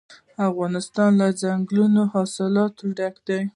افغانستان له دځنګل حاصلات ډک دی.